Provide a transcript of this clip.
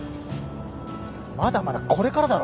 まだまだこれからだろ。